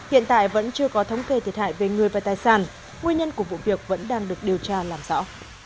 hiện tại vẫn chưa có thống kê thiệt hại về người và tài sản nguyên nhân của vụ việc vẫn đang được điều tra làm rõ